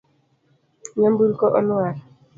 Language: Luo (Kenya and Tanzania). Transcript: Nyamburko oluar.